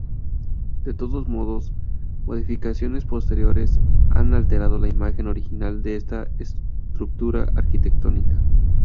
De todos modos, modificaciones posteriores han alterado la imagen original de esta estructura arquitectónica.